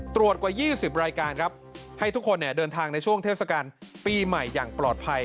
กว่า๒๐รายการครับให้ทุกคนเดินทางในช่วงเทศกาลปีใหม่อย่างปลอดภัย